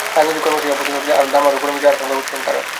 রাজনৈতিক কর্মসূচি অব্যাহত থাকলে দাম আরও কমে যাওয়ার আশঙ্কা করছেন তাঁরা।